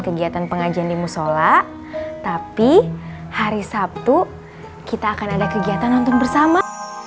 kegiatan pengajian di musola tapi hari sabtu kita akan ada kegiatan nonton bersama